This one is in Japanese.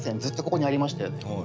ずっとここにありましたよね。